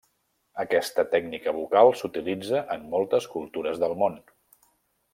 Aquesta tècnica vocal s'utilitza en moltes cultures del món.